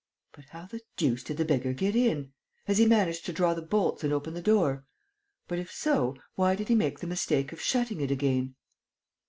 But how the deuce did the beggar get in? Has he managed to draw the bolts and open the door? But, if so, why did he make the mistake of shutting it again?"